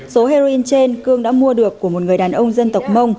số heroin trên cương đã mua được của một người đàn ông dân tộc mông